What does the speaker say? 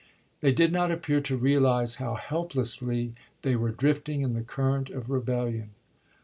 They did not appear to realize how helplessly they were drifting in the current of rebellion.